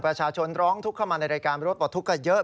ร้องทุกข์เข้ามาในรายการรถปลดทุกข์กันเยอะ